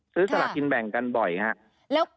ซื้อสลักกินแบ่งกันบ่อยครับ